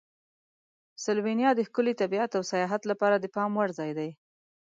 سلووینیا د ښکلي طبیعت او سیاحت لپاره د پام وړ ځای دی.